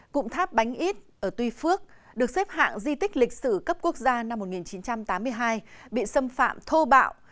cụm tháp bánh ít ở tuy phước được xếp hạng di tích lịch sử cấp quốc gia năm một nghìn chín trăm tám mươi hai bị xâm phạm thô bạo